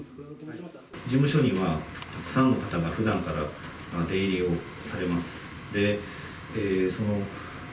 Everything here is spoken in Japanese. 事務所にはたくさんの方がふだんから出入りをされます。